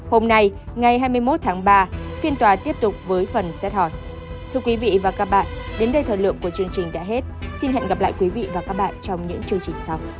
hôm nay ngày hai mươi một tháng ba phiên tòa tiếp tục với phần xét hỏi